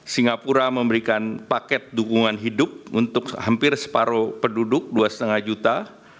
singapura memberikan paket dukungan hidup untuk hampir separuh penduduk dua lima juta